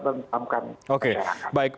menetapkan oke baik